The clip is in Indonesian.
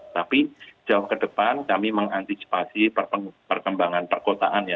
tapi jauh ke depan kami mengantisipasi perkembangan perkotaan ya